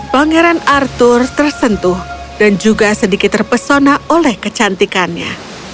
pangeran arthur tersentuh dan juga sedikit terpesona oleh kecantikannya